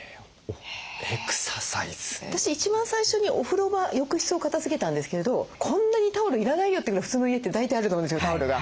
私一番最初にお風呂場浴室を片づけたんですけどこんなにタオル要らないよってぐらい普通の家って大体あると思うんですよタオルが。